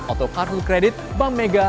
atau kartu kredit bank mega